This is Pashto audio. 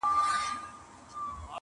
o د زور اوبه پر لوړه ځي٫